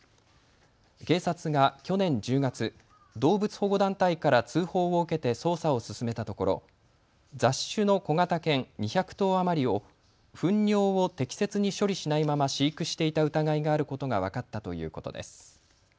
警察が去年１０月、動物保護団体から通報を受けて捜査を進めたところ雑種の小型犬２００頭余りをふん尿を適切に処理しないまま飼育していた疑いがあることが分かったということです。